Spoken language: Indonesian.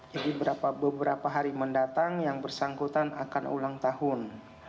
jadi beberapa hari mendatang yang bersangkutan akan ulang tahun